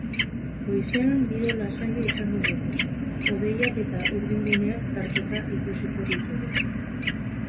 Goizean giro lasaia izango dugu, hodeiak eta urdin-guneak tarteka ikusiko ditugu.